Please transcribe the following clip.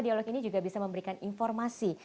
dialog ini juga bisa memberikan informasi